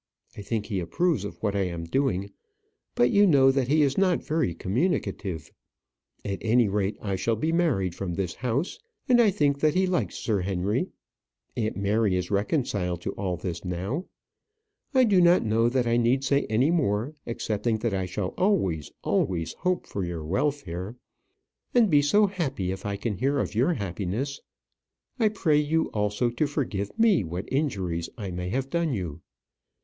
I think he approves of what I am doing; but you know that he is not very communicative. At any rate, I shall be married from this house, and I think that he likes Sir Henry. Aunt Mary is reconciled to all this now. I do not know that I need say any more, excepting that I shall always always hope for your welfare; and be so happy if I can hear of your happiness. I pray you also to forgive me what injuries I may have done you.